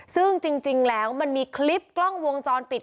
ซึ่งจริงแล้วมันมีคลิปกล้องวงจรปิด